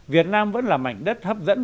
việt nam vẫn là mảnh đất hấp dẫn